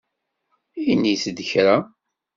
Init-d kra.